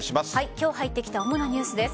今日入ってきた主なニュースです。